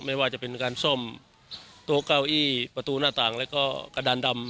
ไม่ว่าจะเป็นการซ่อมโต๊ะเก้าอี้ประตูหน้าต่างแล้วก็กระดานดำ